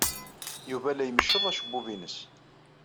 Yuba la imecceḍ acebbub-nnes.